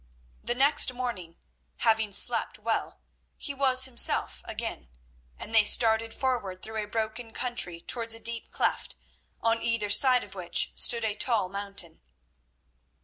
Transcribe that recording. The next morning, having slept well, he was himself again, and they started forward through a broken country towards a deep cleft, on either side of which stood a tall mountain.